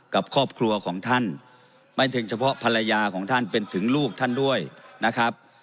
กับครอบครัวของท่านไม่ถึงเฉพาะภรรยาของท่านเป็นถึงลูกท่านด้วยนะครับ